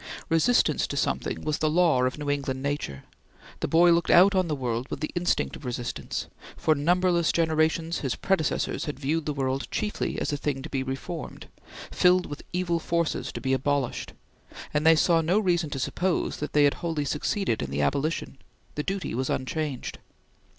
Resistance to something was the law of New England nature; the boy looked out on the world with the instinct of resistance; for numberless generations his predecessors had viewed the world chiefly as a thing to be reformed, filled with evil forces to be abolished, and they saw no reason to suppose that they had wholly succeeded in the abolition; the duty was unchanged.